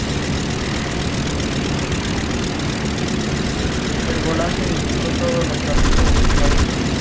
Usando la entrada secreta, fueron robando paulatinamente la fortuna que contenía la cámara.